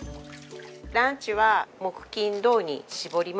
ランチは木金土に絞りましたね。